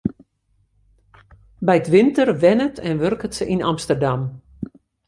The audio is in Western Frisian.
By 't winter wennet en wurket se yn Amsterdam.